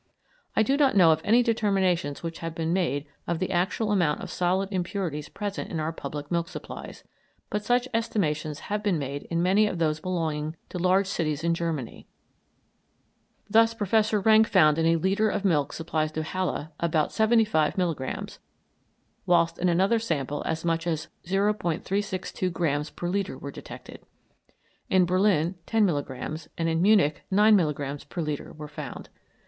I do not know of any determinations which have been made of the actual amount of such solid impurities present in our public milk supplies, but such estimations have been made in many of those belonging to large cities in Germany. Thus, Professor Renk found in a litre of milk supplied to Halle about 75 milligrammes, whilst in another sample as much as 0·362 grammes per litre were detected. In Berlin 10 milligrammes, and in Munich 9 milligrammes per litre, were found.